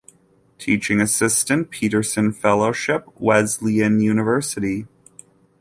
Teaching assistant, Peterson Fellowship, Wesleyan University.